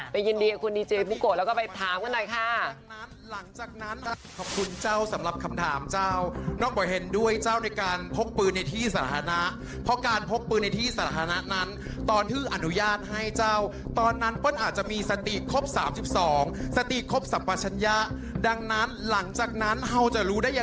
ไปยินดีกับคุณดีเจมส์บุโกะแล้วก็ไปถามกันได้ค่ะ